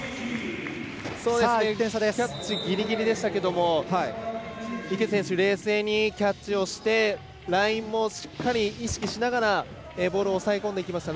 キャッチがギリギリでしたが池選手、冷静にキャッチをしてラインもしっかり意識しながらボールを抑えこんでいきました。